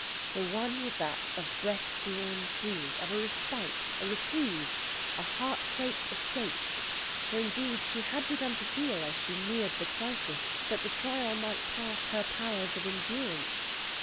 The one was that of breath drawn freely, of a respite, a reprieve, a heartquake escaped; for, indeed, she had begun to feel, as she neared the crisis, that the trial might pass her powers of endurance.